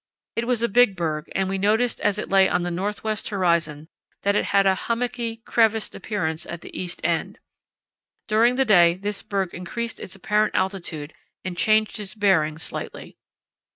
It was a big berg, and we noticed as it lay on the north west horizon that it had a hummocky, crevassed appearance at the east end. During the day this berg increased its apparent altitude and changed its bearing slightly.